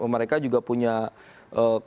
mereka juga punya kemampuan yang bagus